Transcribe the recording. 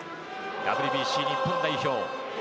ＷＢＣ日本代表。